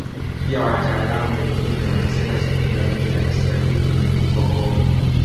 Pia wataalamu wengine wanasema chimbuko la lugha ya Kiswahili ni huko Kongo